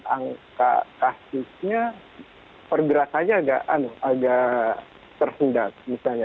angka kasusnya pergerakannya agak terhendak misalnya